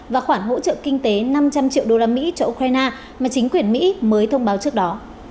và khoản hỗ trợ kinh tế năm trăm linh triệu usd cho ukraine mà chính quyền mỹ mới thông báo trước đó